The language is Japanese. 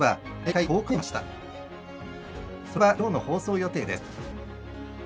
それではきょうの放送予定です。